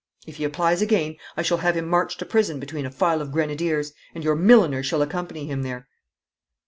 If he applies again, I shall have him marched to prison between a file of grenadiers, and your milliner shall accompany him there.'